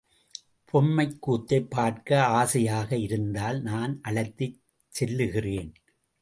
பொம்மைக்கூத்தைப் பார்க்க ஆசையாக இருந்தால் நான் அழைத்துச் செல்லுகிறேன்.